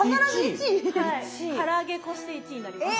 から揚げこして１位になります。